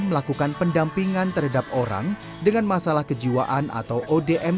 melakukan pendampingan terhadap orang dengan masalah kejiwaan atau odm